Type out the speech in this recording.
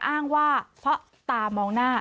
อ้างว่าเพราะตามองหน้า